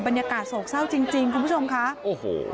บรรยากาศโสกเศร้าจริงจริงคุณผู้ชมค่ะโอ้โห